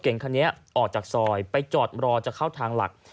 ออกจากซอยไปจอดรอจะเข้าทางหลัก